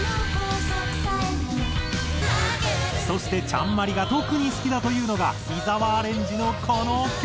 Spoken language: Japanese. そしてちゃんＭＡＲＩが特に好きだというのが伊澤アレンジのこの曲。